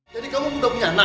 jadi kamu udah punya anak